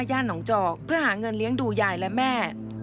ย่านหนองจอกเพื่อหาเงินเลี้ยงดูยายและแม่